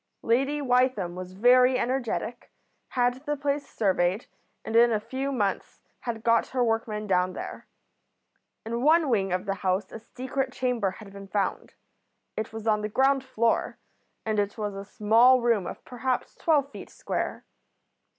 Lady Wytham was very energetic, had the place surveyed, and in a few months had got her workmen down there. In one wing of the house a secret chamber had been found. It was on the ground floor, and it was a small room of perhaps twelve feet square.